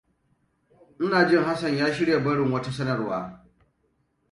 Ina jin Hassan ya shirya barin wata sanarwa.